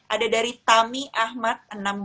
ada dari tami ahmad